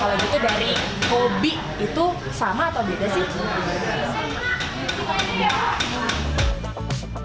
kalau gitu dari hobi itu sama atau beda sih